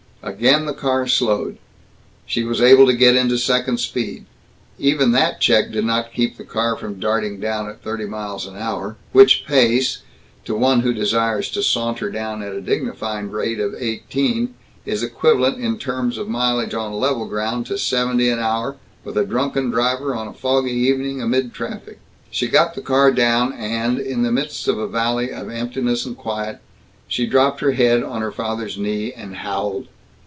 Again the car slowed. She was able to get into second speed. Even that check did not keep the car from darting down at thirty miles an hour which pace, to one who desires to saunter down at a dignified rate of eighteen, is equivalent in terms of mileage on level ground to seventy an hour, with a drunken driver, on a foggy evening, amid traffic. She got the car down and, in the midst of a valley of emptiness and quiet, she dropped her head on her father's knee and howled.